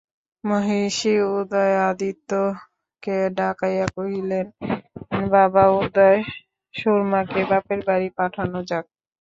মহিষী উদয়াদিত্যকে ডাকাইয়া কহিলেন, বাবা উদয়, সুরমাকে বাপের বাড়ি পাঠানো যাক।